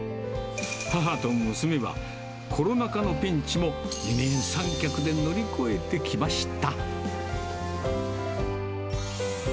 母と娘はコロナ禍のピンチも二人三脚で乗り越えてきました。